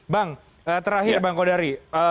bang terakhir bang kodari